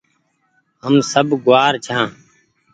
هم سب گوآر ڇآن